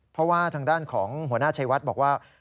เพราะว่าทางด้านของหัวหน้าชัยวัดบอกว่า